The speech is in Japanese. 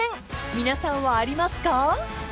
皆さんはありますか？］